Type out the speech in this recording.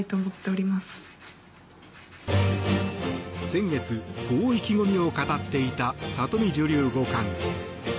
先月、こう意気込みを語っていた里見女流五冠。